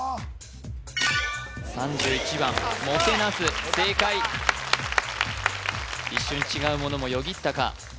３１番もてなす正解よかった一瞬違うものもよぎったか？